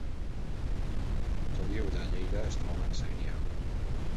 Montoliu de Lleida es troba al Segrià